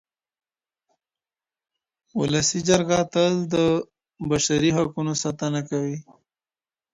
ولسي جرګه تل د بشري حقونو ساتنه کوي.